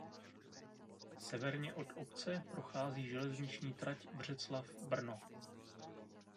Severně od obce prochází železniční trať Břeclav–Brno.